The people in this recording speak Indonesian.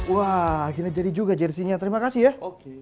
wah akhirnya jadi juga jersey nya terima kasih ya